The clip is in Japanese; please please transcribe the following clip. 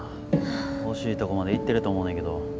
惜しいとこまでいってると思うねけど。